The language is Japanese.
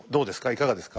いかがですか？